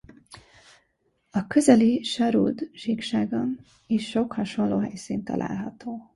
A közeli Shahroud-síkságon is sok hasonló helyszín található.